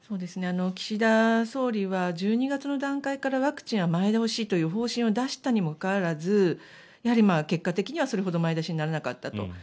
岸田総理は１２月の段階からワクチンは前倒しという方針を出したにもかかわらず結果的にはそれほど前倒しにならなかったと。